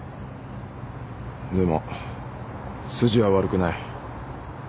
でも筋は悪くない。